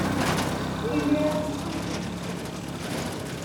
Imir-a, teqqel tfehhem-ikem.